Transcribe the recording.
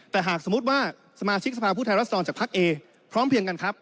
แต่หากสมมติว่าสมาชิกสะพาผู้ไทยรัฐสลองจากภาคเอพร้อมเพียงกันครับ